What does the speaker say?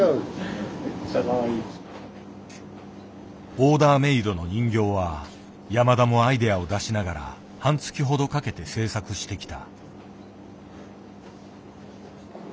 オーダーメードの人形は山田もアイデアを出しながら半月ほどかけて制作してきた。